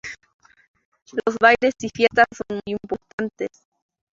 Los bailes y fiestas son muy importantes.